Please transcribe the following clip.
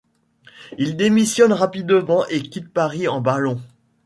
Il démissionne rapidement et quitte Paris en ballon.